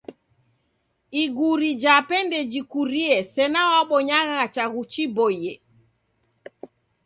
Iguri jape ndejikurie sena wabonyagha chaghu chiboie.